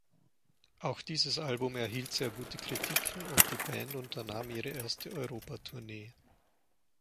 Auch dieses Album erhielt sehr gute Kritiken und die Band unternahm ihre erste Europatournee.